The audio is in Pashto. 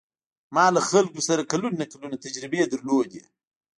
ما له خلکو سره کلونه کلونه تجربې درلودې.